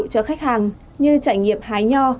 cho khách hàng như trải nghiệp hái nho